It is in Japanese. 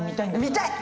見たい！